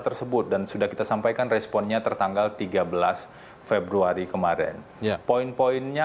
tersebut dan sudah kita sampaikan responnya tertanggal tiga belas februari kemarin poin poinnya